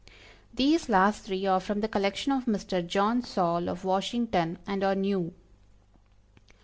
These last three are from the collection of Mr. John Saul of Washington, and are new.